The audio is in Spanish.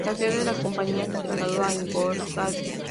La sede de la compañía se trasladó a Ingolstadt.